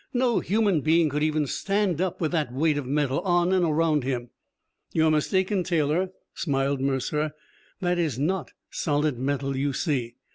"No human being could even stand up with that weight of metal on and around him!" "You're mistaken, Taylor," smiled Mercer. "That is not solid metal, you see.